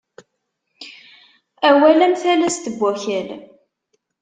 Awal am talast n wakal.